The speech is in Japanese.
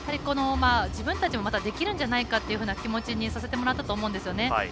自分たちもできるんじゃないかっていう気持ちにさせてもらったと思うんですよね。